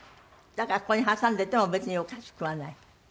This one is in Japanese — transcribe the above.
だからここに挟んでても別におかしくはない？